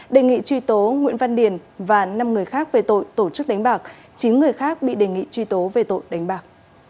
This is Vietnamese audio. đề nghị truy tố nguyễn văn điền và năm người khác về tội tổ chức đánh bạc chín người khác bị đề nghị truy tố về tội đánh bạc